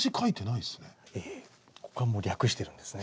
ここはもう略してるんですね。